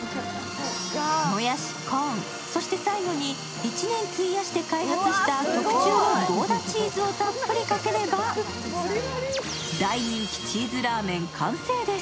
もやし、コーン、そして最後に１年費やして開発した特注のゴーダチーズをたっぷりかければ、大人気チーズラーメン完成です。